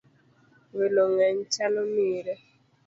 Welo ng'eny chalo mire.